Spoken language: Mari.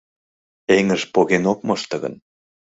Эҥыж поген ок мошто гын